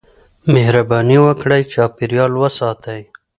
مهرباني وکړئ چاپېريال وساتئ.